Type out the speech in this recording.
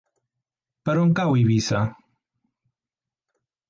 Per on cau Eivissa?